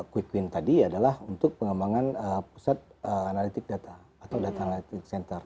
quick win tadi adalah untuk pengembangan pusat analitik data atau data analitik center